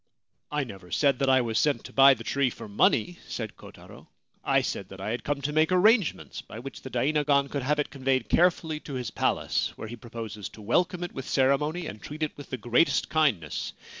* I never said that I was sent to buy the tree for money,' said Kotaro. * I said that I had come to make arrangements by which the dainagon could have it conveyed carefully to his palace, where he proposes to welcome it with ceremony and treat it with the greatest kindness.